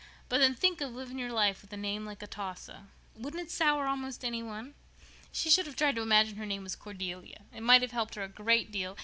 "But then think of living all your life with a name like Atossa! Wouldn't it sour almost any one? She should have tried to imagine her name was Cordelia. It might have helped her a great deal.